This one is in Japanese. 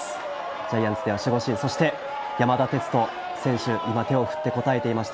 ジャイアンツでは守護神、そして山田哲人選手、今、手を振って応えていました。